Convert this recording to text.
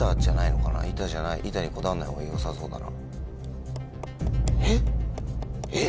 板にこだわんないほうがよさそうだな。